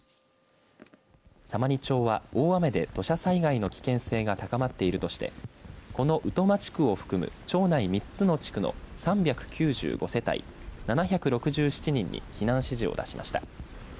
様似町は大雨で土砂災害の危険性が高まっているとしてこの鵜苫地区を含む町内３つの地区の３９５世帯７６７人に避難指示を出しました。